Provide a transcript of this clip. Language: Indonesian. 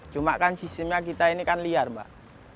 cuma kan sistemnya kita ini kan liar mbak